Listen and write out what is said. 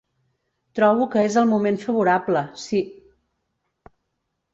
Trobo que és el moment favorable, sí.